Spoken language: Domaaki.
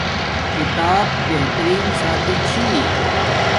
کتاب بہترین ساتھی چھی